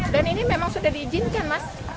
dan ini memang sudah diizinkan mas